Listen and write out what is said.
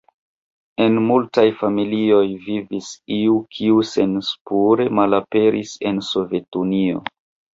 En multaj familioj vivis iu, kiu senspure malaperis en Sovetunio.